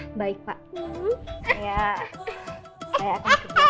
iya baik pak